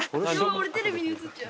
俺テレビに映っちゃう！